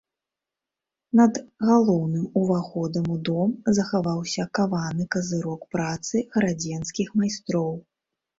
Над галоўным уваходам у дом захаваўся каваны казырок працы гарадзенскіх майстроў.